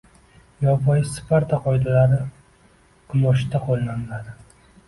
Yovvoyi Sparta qoidalari quyoshda qo'llaniladi